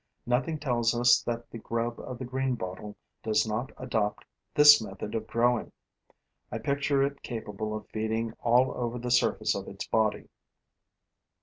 Nothing tells us that the grub of the greenbottle does not adopt this method of growing. I picture it capable of feeding all over the surface of its body.